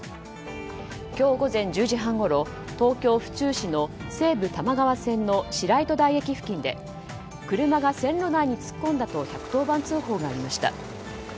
今日午前１０時半ごろ東京・府中市の西武多摩川線の白糸台駅付近で車が線路内に突っ込んだと１１０番通報がありました。